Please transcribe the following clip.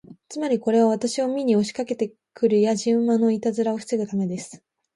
つまり、これは私を見に押しかけて来るやじ馬のいたずらを防ぐためです。